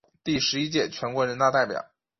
第十一届全国人大代表。